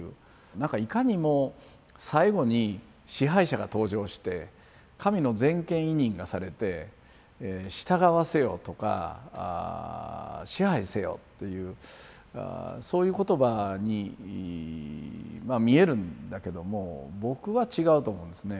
なんかいかにも最後に支配者が登場して神の全権委任がされて「従わせよ」とか「支配せよ」っていうそういう言葉に見えるんだけども僕は違うと思うんですね。